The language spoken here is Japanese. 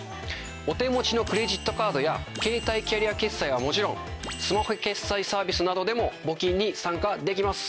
お手持ちのクレジットカードやケータイキャリア決済はもちろんスマホ決済サービスなどでも募金に参加できます。